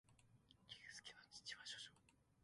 ゆうすけの父親は童貞